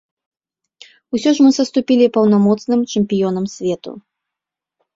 Усё ж мы саступілі паўнамоцным чэмпіёнам свету.